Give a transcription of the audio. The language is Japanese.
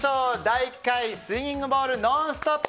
第１回スインギングボール「ノンストップ！」